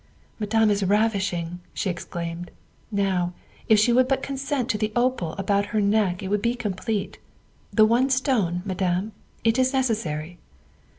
11 Madame is ravishing," she exclaimed; " now, if she would but consent to the opal about her neck it would be complete. The one stone, Madame? It is necessary.